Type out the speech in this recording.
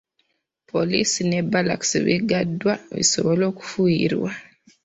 Poliisi ne Bbaalakisi biggaddwa bisobole okufuuyirwa.